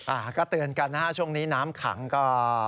อ่าก็เตือนกันนะฮะช่วงนี้น้ำขังก็